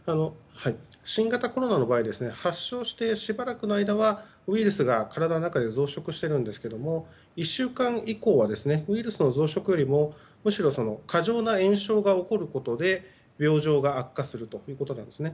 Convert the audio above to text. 新型コロナの場合発症してしばらくの間はウイルスが体の中に増殖しているんですけど１週間以降はウイルスの増殖よりもむしろ過剰な炎症が起こることで病状が悪化するということなんですね。